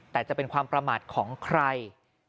แต่จะเป็นความประมาทของใคร